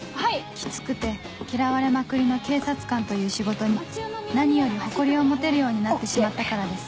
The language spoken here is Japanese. キツくて嫌われまくりの警察官という仕事に何より誇りを持てるようになってしまったからです